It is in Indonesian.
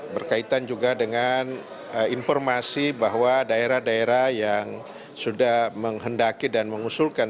berkaitan juga dengan informasi bahwa daerah daerah yang sudah menghendaki dan mengusulkan